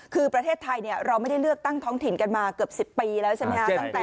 คือประเทศไทยเราไม่ได้เลือกตั้งท้องถิ่นกันมาเกือบ๑๐ปีแล้วใช่ไหมครับ